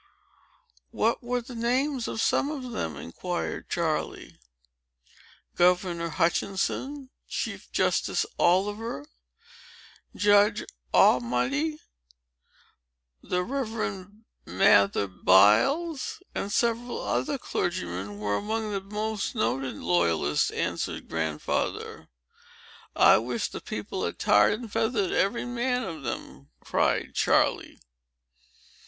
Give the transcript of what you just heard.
"What were the names of some of them?" inquired Charley. "Governor Hutchinson, Chief Justice Oliver, Judge Auchmuty, the Reverend Mather Byles, and several other clergymen, were among the most noted loyalists," answered Grandfather. "I wish the people had tarred and feathered every man of them!" cried Charley.